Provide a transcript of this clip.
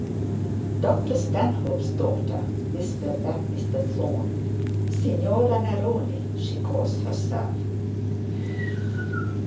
'Dr Stanhope's daughter,' whispered back Mr Thorne. 'Signora Neroni she calls herself.'